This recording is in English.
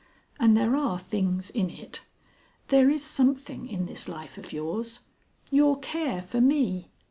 And there are things in it. There is something in this life of yours Your care for me!